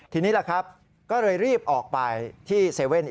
ทีนี้ล่ะครับก็เลยรีบออกไปที่๗๑๑